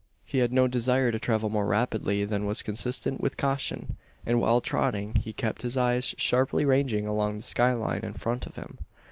He had no desire to travel more rapidly than was consistent with caution; and while trotting he kept his eyes sharply ranging along the skyline in front of him.